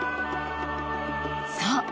そう！